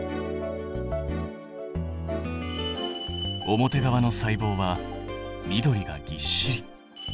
表側の細胞は緑がぎっしり。